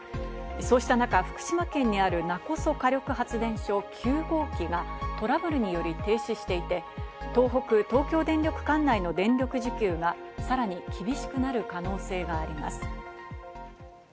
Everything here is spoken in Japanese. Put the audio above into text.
そうした中、福島県にある勿来火力発電所９号機がトラブルにより停止していて、東北・東京電力管内の電力需給がさらに厳しくなる可能性があります。